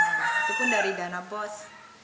itu pun dari dana bos